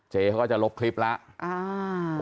เขาก็จะลบคลิปแล้ว